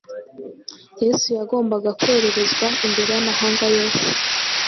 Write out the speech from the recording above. yesu yagombaga kwererezwa imbere y’amahanga yose